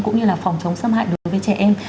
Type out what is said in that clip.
cũng như là phòng chống xâm hại đối với trẻ em